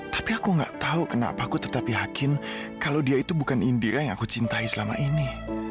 tapi aku tidak tahu kenapa aku tetap yakin kalau dia itu bukan indira yang aku cintai selama ini